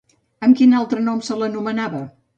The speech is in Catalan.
Amb quin altre nom se l'anomenava?